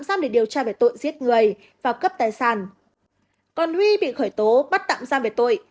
giam để điều tra về tội giết người và cướp tài sản còn huy bị khởi tố bắt tạm giam về tội